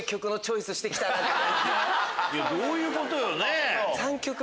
どういうことよ？